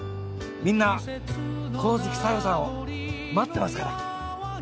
みんな神月沙代さんを待ってますから。